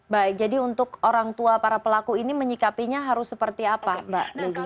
baik jadi untuk orang tua para pelaku ini menyikapinya harus seperti apa mbak nugi